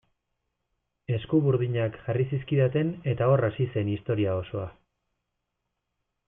Eskuburdinak jarri zizkidaten eta hor hasi zen historia osoa.